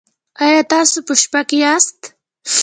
ایا تاسو په شپه کې یاست؟